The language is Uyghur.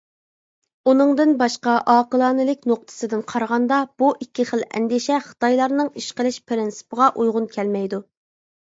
ئۇنىڭدىن باشقا، ئاقىلانىلىك نۇقتىسىدىن قارىغاندا، بۇ ئىككى خىل ئەندىشە خىتايلارنىڭ ئىش قىلىش پىرىنسىپىغا ئۇيغۇن كەلمەيدۇ.